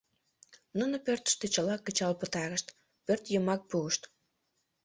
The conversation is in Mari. Нуно пӧртыштӧ чыла кычал пытарышт, пӧртйымак пурышт.